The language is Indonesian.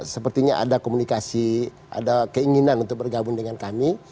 sepertinya ada komunikasi ada keinginan untuk bergabung dengan kami